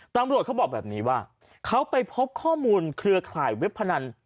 ตำรวจเขาบอกแบบนี้ว่าเขาไปพบข้อมูลเครือข่ายเว็บพนัน